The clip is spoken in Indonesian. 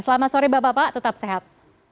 selamat sore bapak bapak tetap sehat